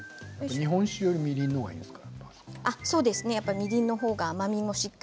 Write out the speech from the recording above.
日本酒よりもみりんのほうがいいですか。